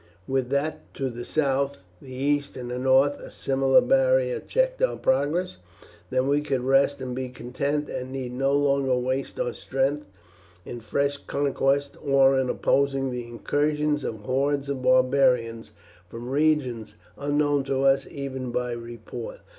Would that to the south, the east, and north a similar barrier checked our progress, then we could rest and be content, and need no longer waste our strength in fresh conquests, or in opposing the incursions of hordes of barbarians from regions unknown to us even by report.